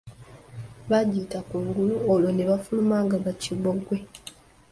Bagiyita kungulu olwo ne bafuluma nga baakibogwe.